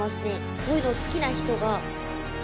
こういうの好きな人が。